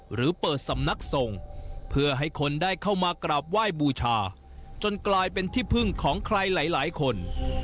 หรือเปิดสำนักทรงเพื่อให้คนได้เข้ามากราบไหว้บูชาจนกลายเป็นที่พึ่งของใครหลายคน